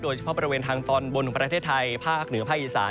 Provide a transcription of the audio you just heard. โดยเฉพาะบริเวณทางตอนบนของประเทศไทยภาคเหนือภาคอีสาน